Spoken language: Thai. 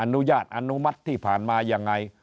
อนุญาตอนุมัติที่ผ่านมายังไง